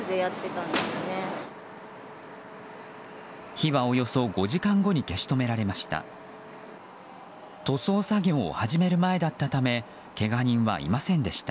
火はおよそ５時間後に消し止められました。